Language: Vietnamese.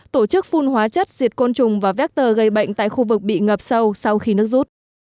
tổ chức phun hóa chất diệt côn trùng và vector gây bệnh tại khu vực bị ngập sâu sau khi nước rút